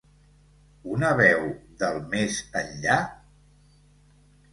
¿Una veu del més enllà?